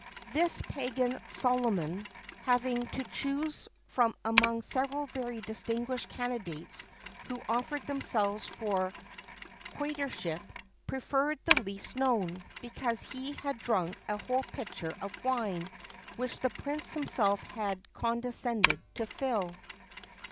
[XXVII 6] This pagan Solomon, having to choose from among several very distinguished candidates who offered themselves for the quæstorship, preferred the least known, because he had drunk a whole pitcher of wine, which the prince himself had condescended to fill.